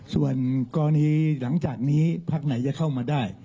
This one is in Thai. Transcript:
ส่วนกรณีหลังจากนี้พักไหนจะเข้ามาได้